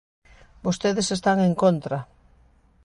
Vostedes están en contra.